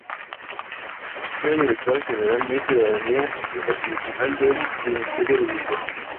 Hitler la llamó la batalla más grande de la historia.